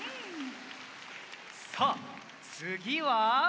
さあつぎは。